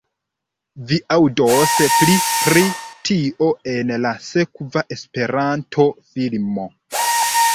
Vi aŭdos pli pri tio en la sekva Esperanto-filmo